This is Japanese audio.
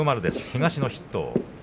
東の筆頭。